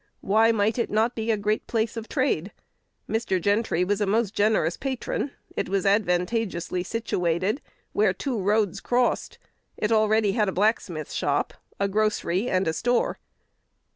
Why might it not be a great place of trade? Mr. Gentry was a most generous patron; it was advantageously situated where two roads crossed; it already had a blacksmith's shop, a grocery, and a store.